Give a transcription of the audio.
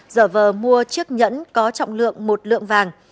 dở vờ mua chiếc nhẫn có trọng lượng một lượng vàng